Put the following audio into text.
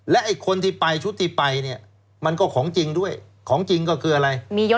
และไอ้คนที่ไปชุดที่ไปเนี่ยมันก็ของจริงด้วยของจริงก็คืออะไร